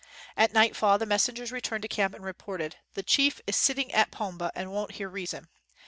At nightfall the messengers re turned to camp and reported, "The chief is sitting at pombe, and won't hear reason.